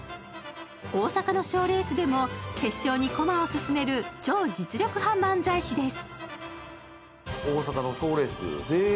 大阪の賞レースでも決勝に駒を進める超実力派漫才師です。